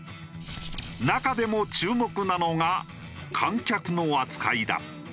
中でも注目なのが観客の扱いだ。